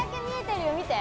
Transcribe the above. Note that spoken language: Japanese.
見て。